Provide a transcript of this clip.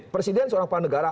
presiden seorang pahala negara